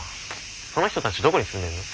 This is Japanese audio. その人たちどこに住んでんの？